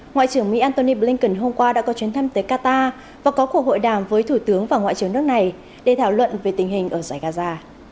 ngoại trưởng mỹ antony blinken hôm qua đã có chuyến thăm tới qatar và có cuộc hội đàm với thủ tướng và ngoại trưởng nước này để thảo luận về tình hình ở giải gaza